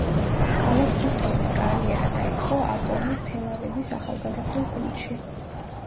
კალათბურთელის კარიერა დაიწყო აპოელ თელ-ავივის ახალგაზრდულ გუნდში.